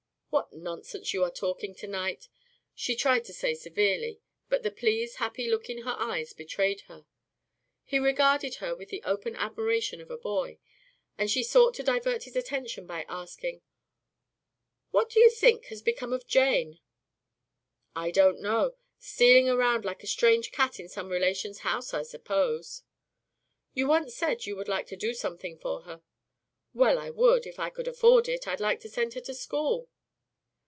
'" "What nonsense you are talking tonight!" she tried to say severely, but the pleased, happy look in her eyes betrayed her. He regarded her with the open admiration of a boy, and she sought to divert his attention by asking, "What do you think has become of Jane?" "I don't know stealing around like a strange cat in some relation's house, I suppose." "You once said you would like to do something for her." "Well, I would. If I could afford it, I'd like to send her to school."